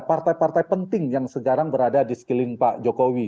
partai partai penting yang sekarang berada di sekeliling pak jokowi